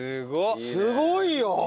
すごいよ！